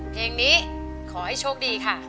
เพลงนี้ขอให้โชคดีค่ะ